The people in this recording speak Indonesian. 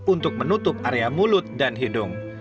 untuk menutup area mulut dan hidung